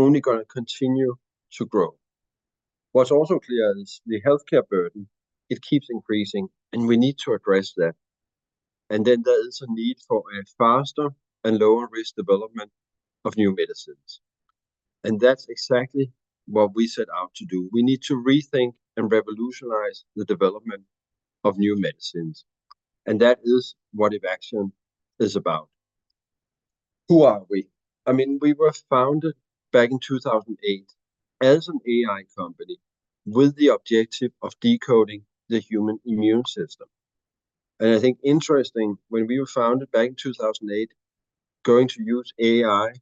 Only going to continue to grow. What's also clear is the healthcare burden, it keeps increasing, and we need to address that. And then there is a need for a faster and lower-risk development of new medicines. And that's exactly what we set out to do: we need to rethink and revolutionize the development of new medicines. And that is what Evaxion is about. Who are we? I mean, we were founded back in 2008 as an AI company with the objective of decoding the human immune system. And I think it's interesting: when we were founded back in 2008, going to use AI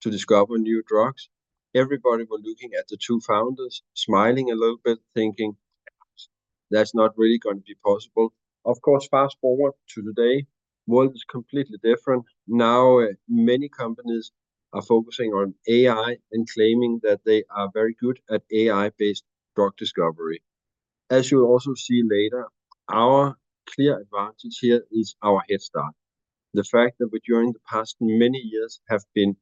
to discover new drugs, everybody was looking at the two founders, smiling a little bit, thinking, "Yeah, that's not really going to be possible." Of course, fast forward to today, the world is completely different. Now, many companies are focusing on AI and claiming that they are very good at AI-based drug discovery. As you'll also see later, our clear advantage here is our head start. The fact that we're, during the past many years, have been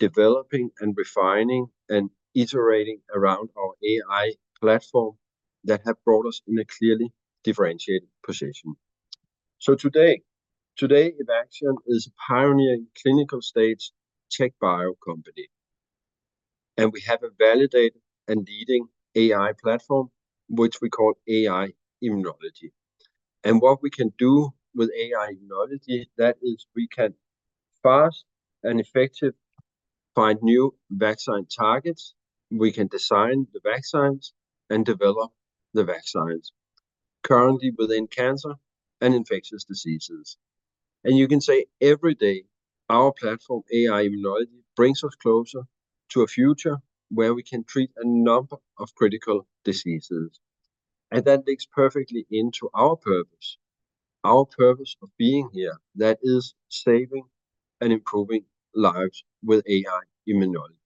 developing and refining and iterating around our AI platform that has brought us in a clearly differentiated position. So today, today Evaxion is a pioneering clinical-stage TechBio company, and we have a validated and leading AI platform, which we call AI-Immunology. And what we can do with AI-Immunology, that is, we can fast and effectively find new vaccine targets, we can design the vaccines, and develop the vaccines, currently within cancer and infectious diseases. And you can say, every day, our platform, AI-Immunology, brings us closer to a future where we can treat a number of critical diseases. And that links perfectly into our purpose. Our purpose of being here—that is, saving and improving lives with AI-Immunology.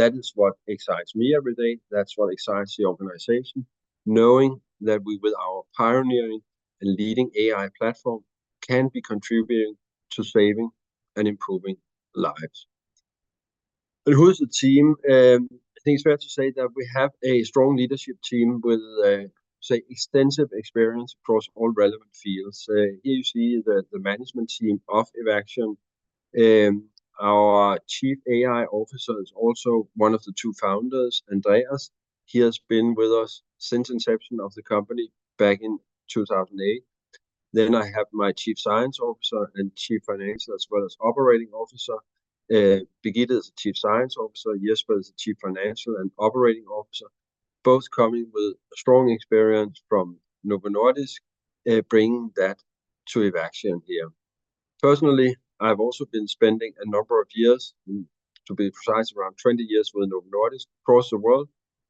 That is what excites me every day. That's what excites the organization: knowing that we, with our pioneering and leading AI platform, can be contributing to saving and improving lives. And who is the team? I think it's fair to say that we have a strong leadership team with, say, extensive experience across all relevant fields. Here you see the management team of Evaxion. Our Chief AI Officer is also one of the two founders, Andreas. He has been with us since the inception of the company back in 2008. Then I have my Chief Science Officer and Chief Financial, as well as Operating Officer. Birgitte is a Chief Science Officer. Jesper is a Chief Financial and Operating Officer, both coming with strong experience from Novo Nordisk, bringing that to Evaxion here. Personally, I've also been spending a number of years, to be precise, around 20 years, with Novo Nordisk across the world,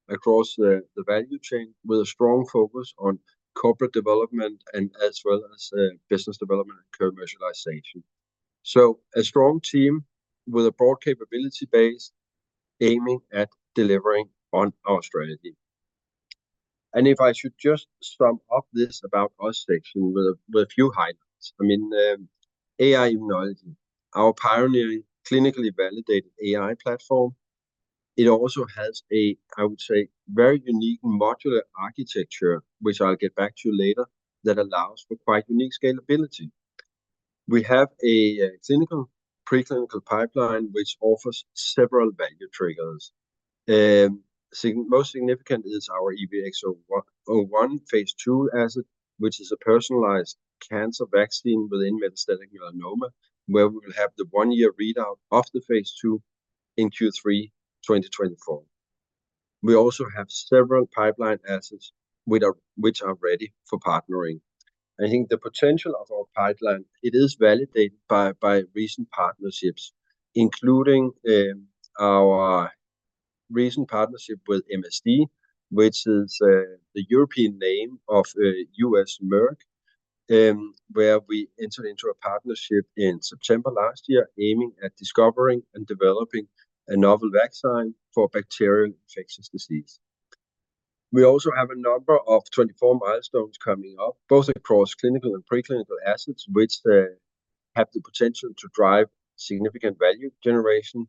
across the value chain, with a strong focus on corporate development and as well as business development and commercialization. So a strong team with a broad capability base, aiming at delivering on our strategy. And if I should just sum up this about us section with a few highlights, I mean, AI-Immunology, our pioneering clinically validated AI platform. It also has a, I would say, very unique modular architecture, which I'll get back to later, that allows for quite unique scalability. We have a clinical preclinical pipeline which offers several value triggers. Most significant is our EVX-01 phase II asset, which is a personalized cancer vaccine within metastatic melanoma, where we will have the one-year readout of the phase II in Q3 2024. We also have several pipeline assets which are ready for partnering. I think the potential of our pipeline, it is validated by recent partnerships, including our recent partnership with MSD, which is the European name of U.S. Merck, where we entered into a partnership in September last year, aiming at discovering and developing a novel vaccine for bacterial infectious disease. We also have a number of 2024 milestones coming up, both across clinical and preclinical assets, which have the potential to drive significant value generation.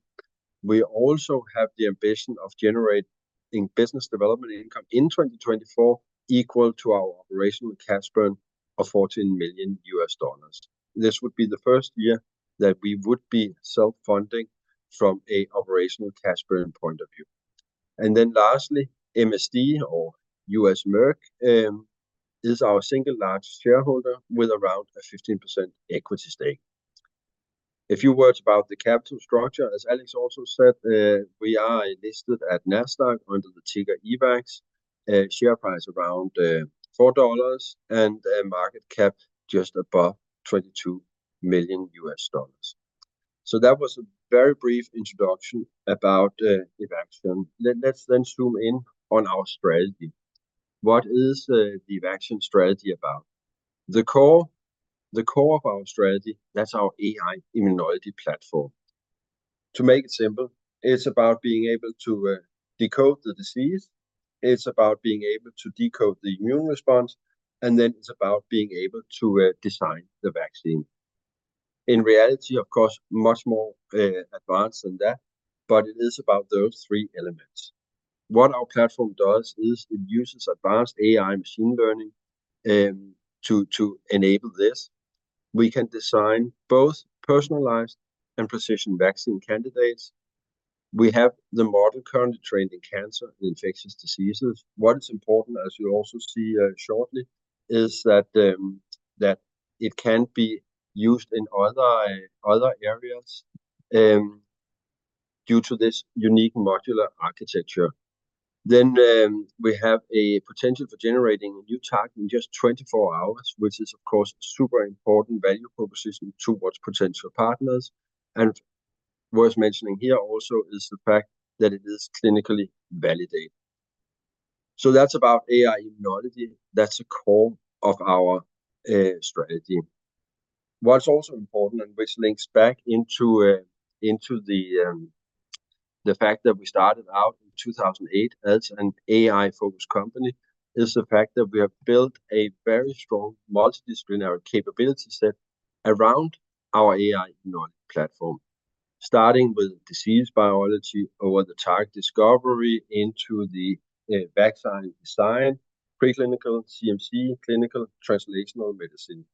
We also have the ambition of generating business development income in 2024 equal to our operational cash burn of $14 million. This would be the first year that we would be self-funding from an operational cash burn point of view. And then lastly, MSD, or U.S. Merck, is our single largest shareholder with around a 15% equity stake. A few words about the capital structure: as Alex also said, we are listed at NASDAQ under the ticker EVAX, share price around $4, and market cap just above $22 million. So that was a very brief introduction about Evaxion. Let's then zoom in on our strategy. What is the Evaxion strategy about? The core, the core of our strategy, that's our AI-Immunology platform. To make it simple, it's about being able to decode the disease. It's about being able to decode the immune response. And then it's about being able to design the vaccine. In reality, of course, much more advanced than that, but it is about those three elements. What our platform does is it uses advanced AI machine learning to enable this. We can design both personalized and precision vaccine candidates. We have the model currently trained in cancer and infectious diseases. What is important, as you'll also see shortly, is that it can be used in other areas, due to this unique modular architecture. Then, we have a potential for generating a new target in just 24 hours, which is, of course, a super important value proposition towards potential partners. And worth mentioning here also is the fact that it is clinically validated. So that's about AI-Immunology. That's the core of our strategy. What's also important and which links back into the fact that we started out in 2008 as an AI-focused company is the fact that we have built a very strong multidisciplinary capability set around our AI-Immunology platform, starting with disease biology over the target discovery into the vaccine design, preclinical CMC, clinical translational medicine.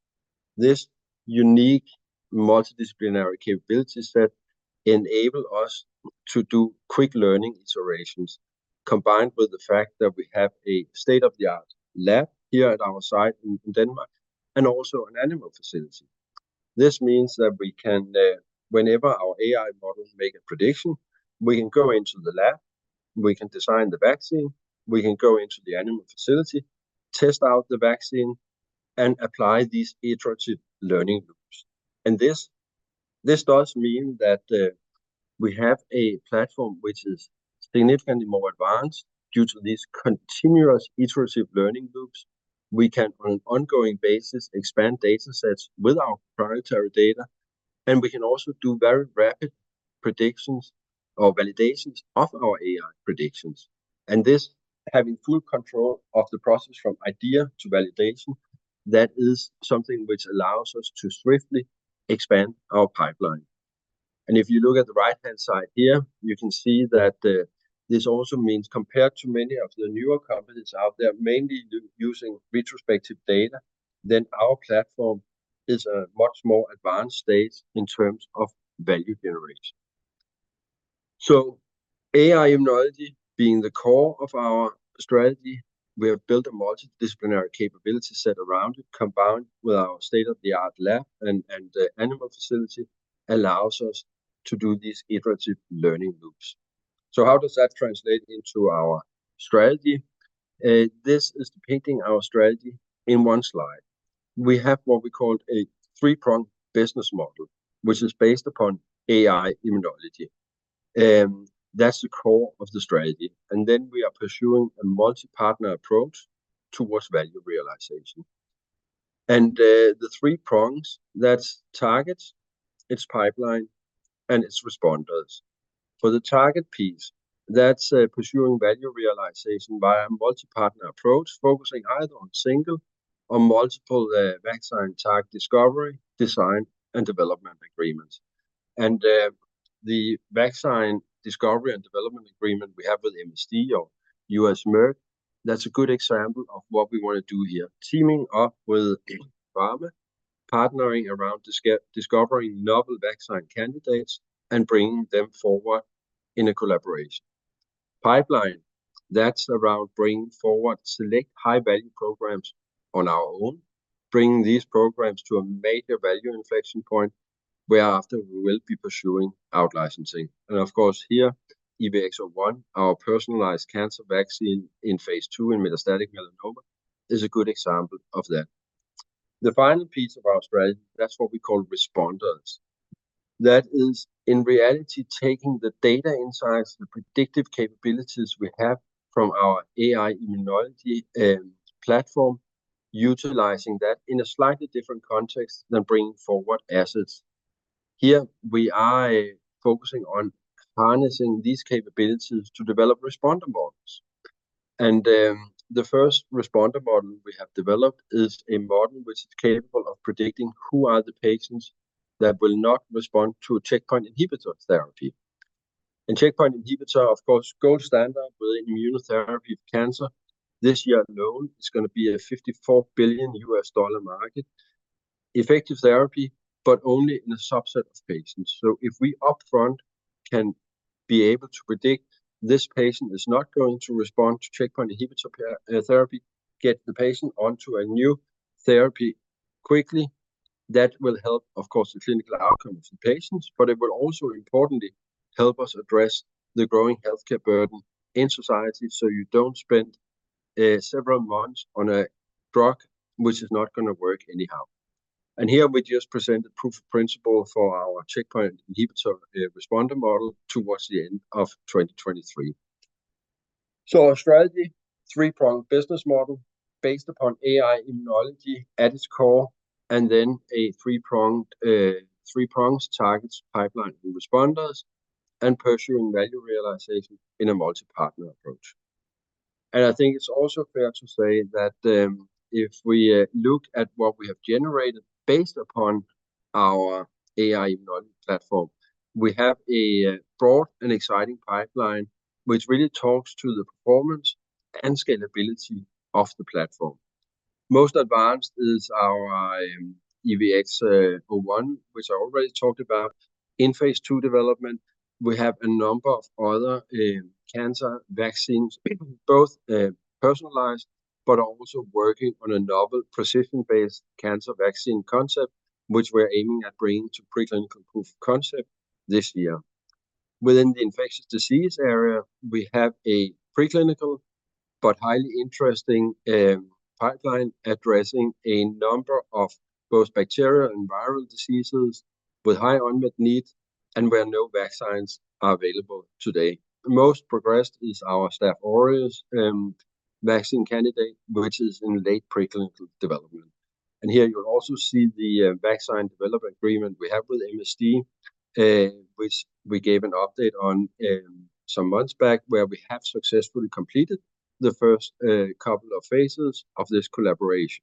This unique multidisciplinary capability set enables us to do quick learning iterations, combined with the fact that we have a state-of-the-art lab here at our site in Denmark and also an animal facility. This means that we can, whenever our AI model makes a prediction, we can go into the lab, we can design the vaccine, we can go into the animal facility, test out the vaccine, and apply these iterative learning loops. This, this does mean that, we have a platform which is significantly more advanced due to these continuous iterative learning loops. We can, on an ongoing basis, expand data sets with our priority data, and we can also do very rapid predictions or validations of our AI predictions. This, having full control of the process from idea to validation, that is something which allows us to swiftly expand our pipeline. And if you look at the right-hand side here, you can see that this also means compared to many of the newer companies out there, mainly using retrospective data, then our platform is a much more advanced stage in terms of value generation. So AI-Immunology being the core of our strategy, we have built a multidisciplinary capability set around it, combined with our state-of-the-art lab and animal facility, allows us to do these iterative learning loops. So how does that translate into our strategy? This is depicting our strategy in one slide. We have what we call a three-pronged business model, which is based upon AI-Immunology. That's the core of the strategy. And the three prongs: that's targets, its pipeline, and its responders. For the target piece, that's pursuing value realization via a multi-partner approach, focusing either on single or multiple, vaccine target discovery, design, and development agreements. And, the vaccine discovery and development agreement we have with MSD, or U.S. Merck, that's a good example of what we want to do here: teaming up with pharma, partnering around discovering novel vaccine candidates, and bringing them forward in a collaboration. Pipeline: that's around bringing forward select high-value programs on our own, bringing these programs to a major value inflection point, whereafter we will be pursuing outlicensing. And of course, here EVX-01, our personalized cancer vaccine in phase II in metastatic melanoma, is a good example of that. The final piece of our strategy: that's what we call responders. That is, in reality, taking the data insights, the predictive capabilities we have from our AI-Immunology platform, utilizing that in a slightly different context than bringing forward assets. Here we are focusing on harnessing these capabilities to develop responder models. The first responder model we have developed is a model which is capable of predicting who are the patients that will not respond to a checkpoint inhibitor therapy. Checkpoint inhibitor, of course, gold standard within immunotherapy of cancer. This year alone, it's going to be a $54 billion market effective therapy, but only in a subset of patients. So if we upfront can be able to predict this patient is not going to respond to checkpoint inhibitor therapy, get the patient onto a new therapy quickly, that will help, of course, the clinical outcome of the patients, but it will also, importantly, help us address the growing healthcare burden in society so you don't spend several months on a drug which is not going to work anyhow. Here we just presented proof of principle for our checkpoint inhibitor responder model towards the end of 2023. Our strategy: three-pronged business model based upon AI-Immunology at its core, and then a three-pronged, three-pronged targets pipeline and responders, and pursuing value realization in a multi-partner approach. And I think it's also fair to say that, if we look at what we have generated based upon our AI-Immunology platform, we have a broad and exciting pipeline which really talks to the performance and scalability of the platform. Most advanced is our EVX-01, which I already talked about. In phase II development, we have a number of other cancer vaccines, both personalized but also working on a novel precision-based cancer vaccine concept which we're aiming at bringing to preclinical proof concept this year. Within the infectious disease area, we have a preclinical but highly interesting pipeline addressing a number of both bacterial and viral diseases with high unmet need and where no vaccines are available today. Most progressed is our Staph aureus vaccine candidate which is in late preclinical development. And here you'll also see the vaccine developer agreement we have with MSD, which we gave an update on some months back where we have successfully completed the first couple of phases of this collaboration.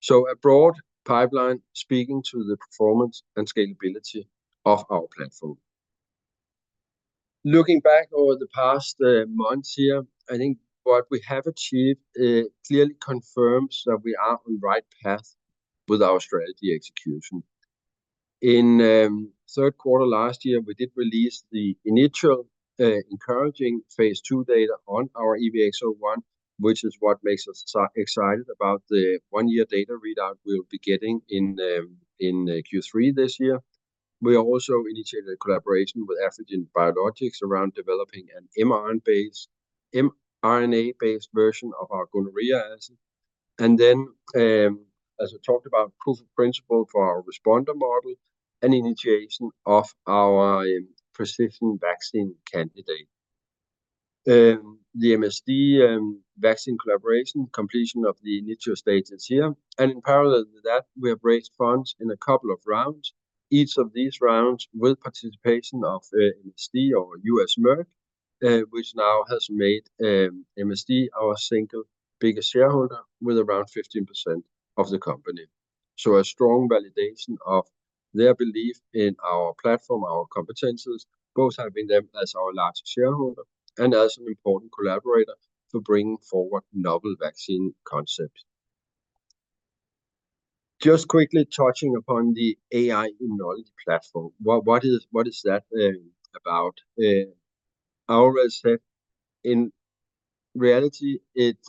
So a broad pipeline speaking to the performance and scalability of our platform. Looking back over the past months here, I think what we have achieved clearly confirms that we are on the right path with our strategy execution. In third quarter last year, we did release the initial encouraging phase II data on our EVX-01, which is what makes us excited about the one-year data readout we'll be getting in Q3 this year. We also initiated a collaboration with Afrigen Biologics around developing an mRNA-based version of our gonorrhea asset. And then, as I talked about, proof of principle for our responder model and initiation of our precision vaccine candidate. The MSD vaccine collaboration completion of the initial stage is here. And in parallel to that, we have raised funds in a couple of rounds, each of these rounds with participation of MSD or U.S. Merck, which now has made MSD our single biggest shareholder with around 15% of the company. So a strong validation of their belief in our platform, our competencies, both having them as our largest shareholder and as an important collaborator for bringing forward novel vaccine concepts. Just quickly touching upon the AI-Immunology platform. What is that about? I already said in reality it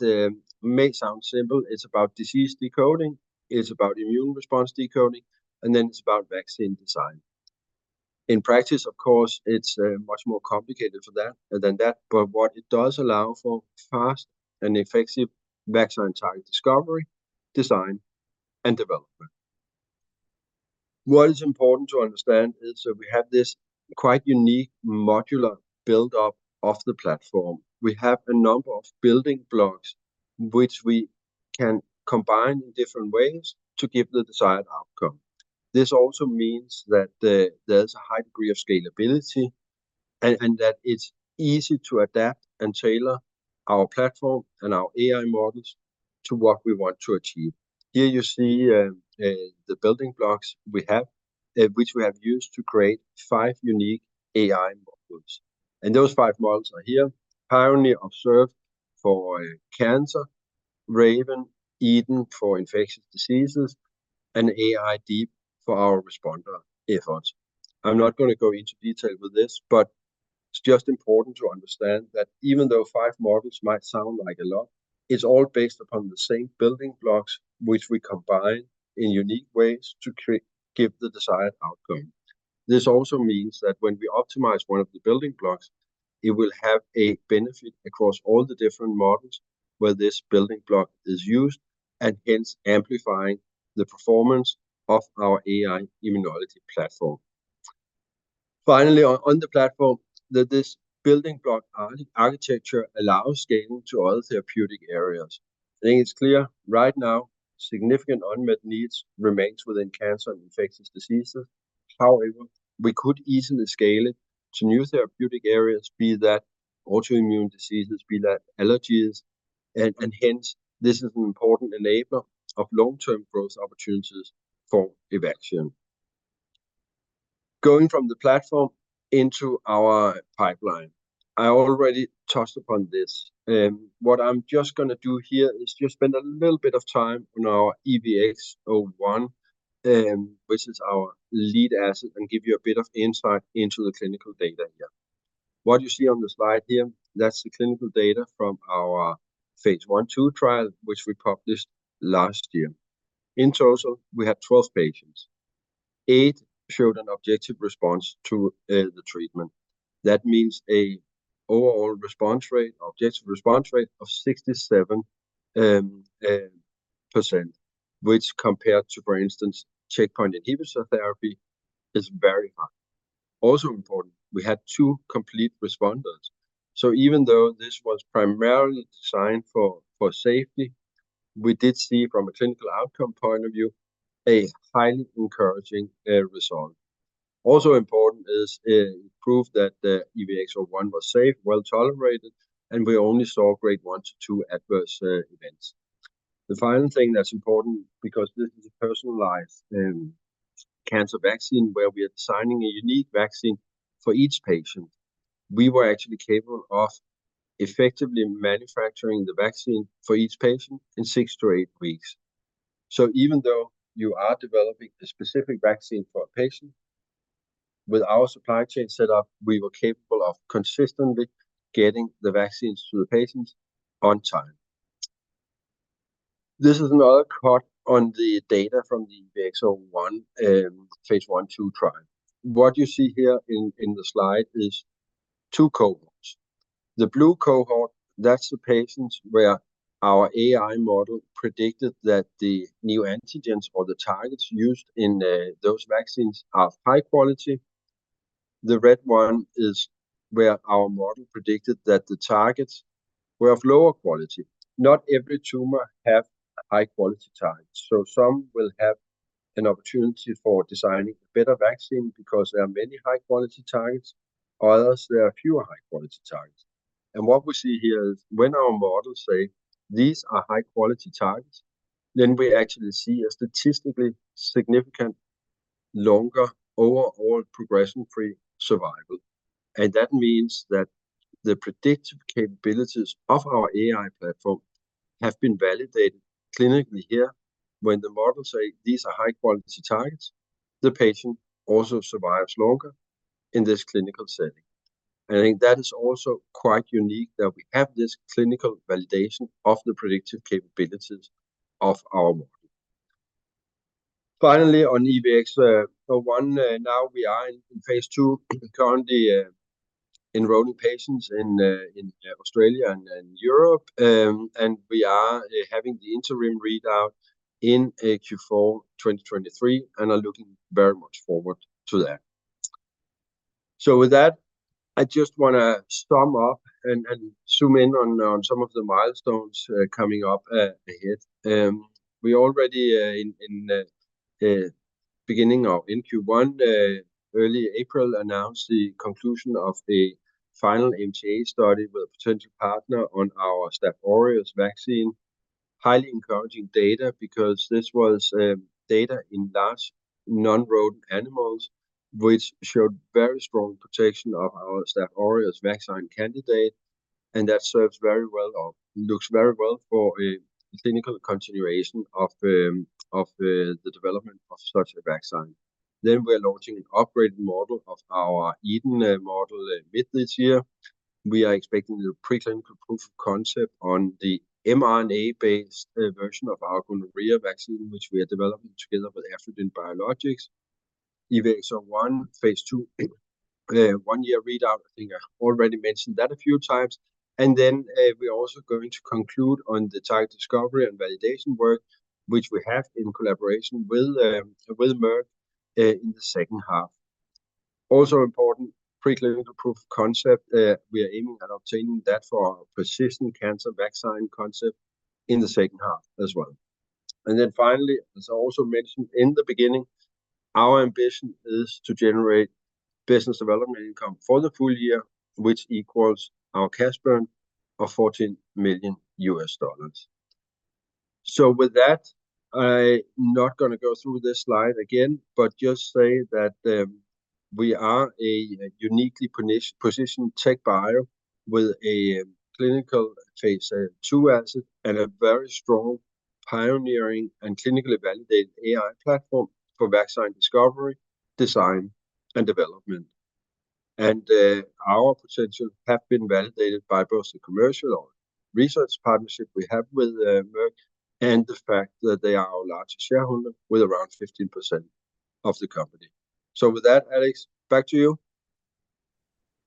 may sound simple. It's about disease decoding. It's about immune response decoding. And then it's about vaccine design. In practice, of course, it's much more complicated than that, but what it does allow for fast and effective vaccine target discovery, design, and development. What is important to understand is that we have this quite unique modular buildup of the platform. We have a number of building blocks which we can combine in different ways to give the desired outcome. This also means that, there's a high degree of scalability and that it's easy to adapt and tailor our platform and our AI models to what we want to achieve. Here you see, the building blocks we have, which we have used to create five unique AI models. And those five models are here: PIONEER, ObsERV for cancer, RAVEN, EDEN for infectious diseases, and AI-Deep for our responder efforts. I'm not going to go into detail with this, but it's just important to understand that even though five models might sound like a lot, it's all based upon the same building blocks which we combine in unique ways to give the desired outcome. This also means that when we optimize one of the building blocks, it will have a benefit across all the different models where this building block is used and hence amplifying the performance of our AI-Immunology platform. Finally, on the platform, this building block architecture allows scaling to other therapeutic areas. I think it's clear right now, significant unmet needs remain within cancer and infectious diseases. However, we could easily scale it to new therapeutic areas, be that autoimmune diseases, be that allergies, and hence this is an important enabler of long-term growth opportunities for Evaxion. Going from the platform into our pipeline. I already touched upon this. What I'm just going to do here is just spend a little bit of time on our EVX-01, which is our lead asset, and give you a bit of insight into the clinical data here. What you see on the slide here, that's the clinical data from our phase I/II trial which we published last year. In total, we had 12 patients. Eight showed an objective response to the treatment. That means an overall response rate, objective response rate, of 67%, which compared to, for instance, checkpoint inhibitor therapy is very high. Also important, we had two complete responders. So even though this was primarily designed for safety, we did see from a clinical outcome point of view a highly encouraging result. Also important is proof that the EVX-01 was safe, well tolerated, and we only saw grade one to two adverse events. The final thing that's important, because this is a personalized cancer vaccine where we are designing a unique vaccine for each patient, we were actually capable of effectively manufacturing the vaccine for each patient in six to two weeks. So even though you are developing a specific vaccine for a patient, with our supply chain setup, we were capable of consistently getting the vaccines to the patients on time. This is another cut on the data from the EVX-01 phase I/II trial. What you see here in the slide is two cohorts. The blue cohort, that's the patients where our AI model predicted that the neoantigens or the targets used in those vaccines are of high quality. The red one is where our model predicted that the targets were of lower quality. Not every tumor has high-quality targets. So some will have an opportunity for designing a better vaccine because there are many high-quality targets. Others, there are fewer high-quality targets. And what we see here is when our model says, "These are high-quality targets," then we actually see a statistically significant longer overall progression-free survival. And that means that the predictive capabilities of our AI platform have been validated clinically here when the model says, "These are high-quality targets," the patient also survives longer in this clinical setting. And I think that is also quite unique that we have this clinical validation of the predictive capabilities of our model. Finally, on EVX-01, now we are in phase II currently, enrolling patients in Australia and Europe, and we are having the interim readout in Q4 2023 and are looking very much forward to that. So with that, I just want to sum up and zoom in on some of the milestones coming up ahead. We already, in the beginning of Q1, early April, announced the conclusion of a final MTA study with a potential partner on our Staph aureus vaccine. Highly encouraging data because this was data in large non-rodent animals which showed very strong protection of our Staph aureus vaccine candidate, and that serves very well, looks very well for a clinical continuation of the development of such a vaccine. Then we are launching an upgraded model of our EDEN model mid this year. We are expecting the preclinical proof of concept on the mRNA-based version of our gonorrhea vaccine which we are developing together with Afrigen Biologics. EVX-01 phase II, one-year readout, I think I already mentioned that a few times. Then, we are also going to conclude on the target discovery and validation work which we have in collaboration with Merck in the second half. Also, important preclinical proof of concept, we are aiming at obtaining that for our precision cancer vaccine concept in the second half as well. Then finally, as I also mentioned in the beginning, our ambition is to generate business development income for the full year which equals our cash burn of $14 million. With that, I'm not going to go through this slide again but just say that we are a uniquely positioned TechBio with a clinical phase II asset and a very strong pioneering and clinically validated AI platform for vaccine discovery, design, and development. Our potential has been validated by both the commercial or research partnership we have with Merck and the fact that they are our largest shareholder with around 15% of the company. So with that, Alex, back to you.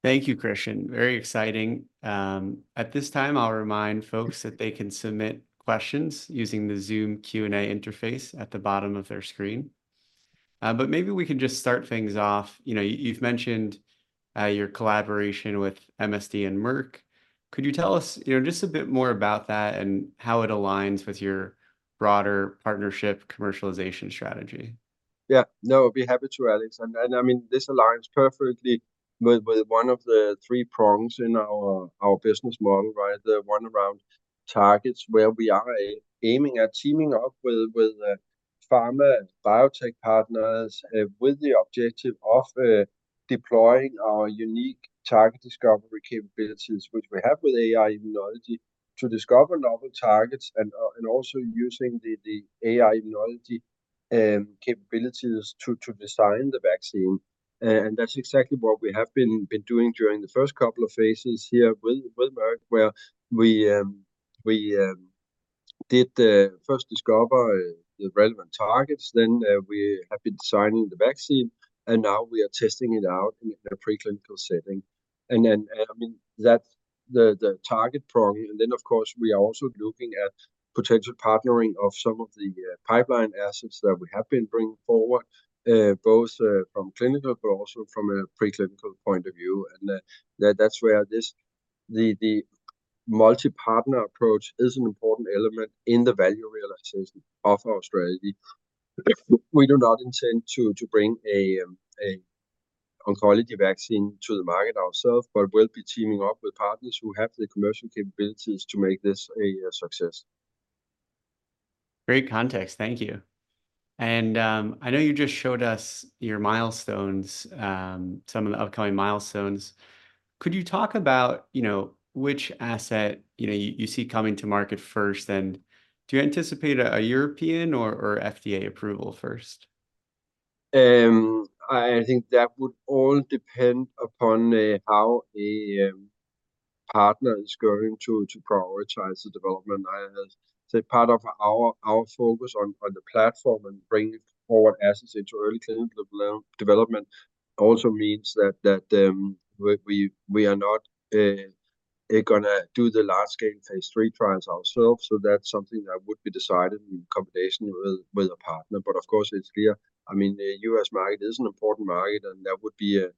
Thank you, Christian. Very exciting. At this time, I'll remind folks that they can submit questions using the Zoom Q&A interface at the bottom of their screen. But maybe we can just start things off. You know, you've mentioned, your collaboration with MSD and Merck. Could you tell us, you know, just a bit more about that and how it aligns with your broader partnership commercialization strategy? Yeah, no, I'd be happy to, Alex. And, I mean, this aligns perfectly with one of the three prongs in our business model, right? The one around targets where we are aiming at teaming up with pharma biotech partners with the objective of deploying our unique target discovery capabilities which we have with AI-Immunology to discover novel targets and also using the AI-Immunology capabilities to design the vaccine. And that's exactly what we have been doing during the first couple of phases here with Merck where we did first discover the relevant targets, then we have been designing the vaccine, and now we are testing it out in a preclinical setting. And then, I mean, that's the target prong. And then, of course, we are also looking at potential partnering of some of the pipeline assets that we have been bringing forward, both from clinical but also from a preclinical point of view. And, that's where this multi-partner approach is an important element in the value realization of our strategy. We do not intend to bring an oncology vaccine to the market ourselves but will be teaming up with partners who have the commercial capabilities to make this a success. Great context. Thank you. And, I know you just showed us your milestones, some of the upcoming milestones. Could you talk about, you know, which asset, you know, you see coming to market first? And do you anticipate a European or FDA approval first? I think that would all depend upon how a partner is going to prioritize the development. I have said part of our focus on the platform and bringing forward assets into early clinical development also means that, we are not going to do the large-scale phase III trials ourselves. So that's something that would be decided in combination with a partner. But of course, it's clear, I mean, the U.S. market is an important market, and that would be a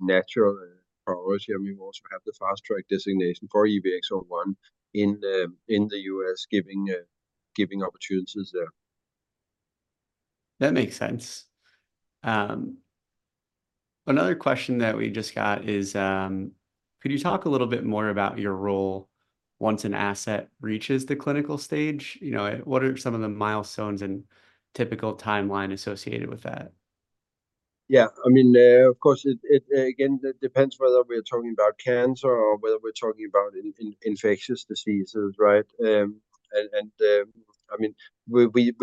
natural priority. And we also have the Fast Track designation for EVX-01 in the U.S., giving opportunities there. That makes sense. Another question that we just got is, could you talk a little bit more about your role once an asset reaches the clinical stage? You know, what are some of the milestones and typical timeline associated with that? Yeah, I mean, of course, it again, it depends whether we are talking about cancer or whether we're talking about infectious diseases, right? I mean, we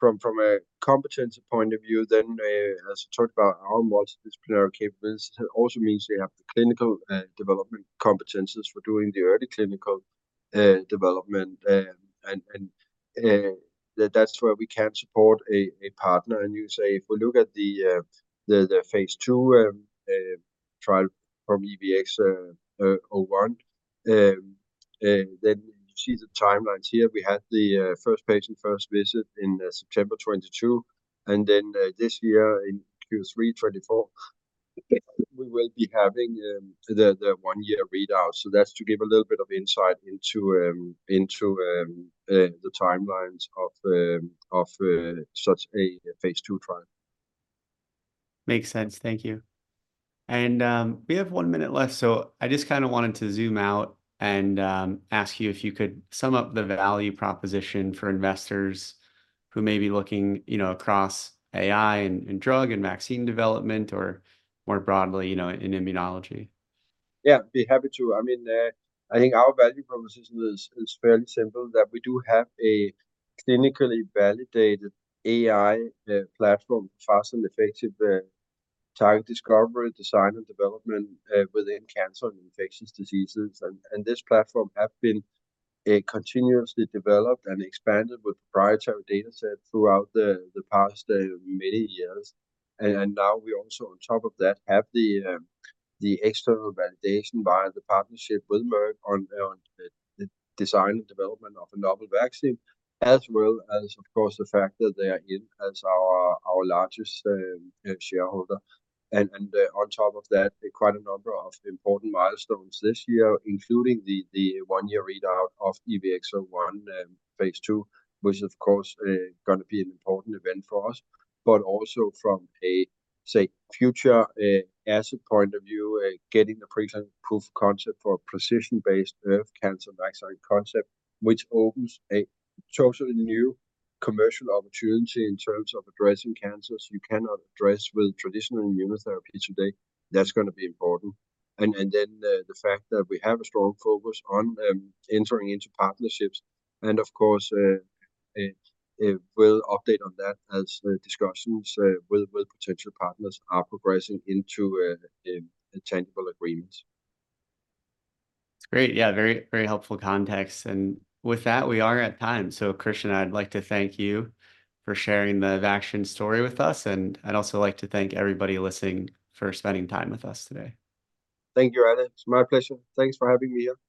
from a competency point of view, then, as I talked about, our multidisciplinary capabilities also means we have the clinical development competences for doing the early clinical development. That's where we can support a partner. You say if we look at the phase II trial from EVX-01, then you see the timelines here. We had the first patient first visit in September 2022, and then this year in Q3 2024, we will be having the one-year readout. So that's to give a little bit of insight into the timelines of such a phase II trial. Makes sense. Thank you. We have one minute left, so I just kind of wanted to zoom out and ask you if you could sum up the value proposition for investors who may be looking, you know, across AI and drug and vaccine development or more broadly, you know, in immunology. Yeah, I'd be happy to. I mean, I think our value proposition is fairly simple: that we do have a clinically validated AI platform for fast and effective target discovery, design, and development within cancer and infectious diseases. And this platform has been continuously developed and expanded with proprietary data set throughout the past many years. And now we also, on top of that, have the external validation via the partnership with Merck on the design and development of a novel vaccine, as well as, of course, the fact that they are as our largest shareholder. And on top of that, quite a number of important milestones this year, including the one-year readout of EVX-01 phase II, which is, of course, going to be an important event for us. But also from a, say, future asset point of view, getting the preclinical proof-of-concept for a precision-based breast cancer vaccine concept, which opens a totally new commercial opportunity in terms of addressing cancers you cannot address with traditional immunotherapy today. That's going to be important. And then the fact that we have a strong focus on entering into partnerships, and of course, we'll update on that as discussions with potential partners are progressing into tangible agreements. Great. Yeah, very very helpful context. And with that, we are at time. So, Christian, I'd like to thank you for sharing the Evaxion story with us, and I'd also like to thank everybody listening for spending time with us today. Thank you, Alex. It's my pleasure. Thanks for having me here. Thank you.